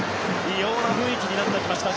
異様な雰囲気になってきました